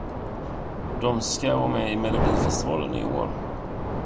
De ska vara med i melodifestivalen i år.